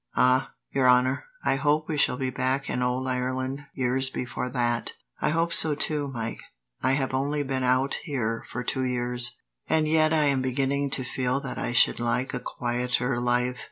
"Ah, your honour, I hope we shall be back in old Ireland years before that!" "I hope so, too, Mike. I have only been out here for two years, and yet I am beginning to feel that I should like a quieter life.